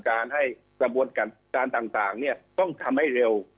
การให้กระบวนการต่างต้องทำให้เร็ว